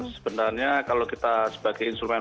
sebenarnya kalau kita sebagai instrumen